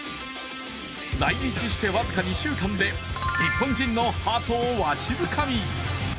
来日して僅か２週間で、日本人のハートをわしづかみ。